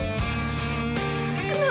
nggak ketat beto maustad lah